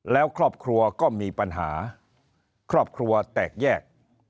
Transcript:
แล้วครอบครัวก็มีปัญหาครอบครัวแตกแยก